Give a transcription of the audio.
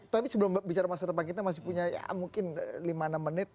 tapi sebelum bicara masa depan kita masih punya mungkin lima enam menit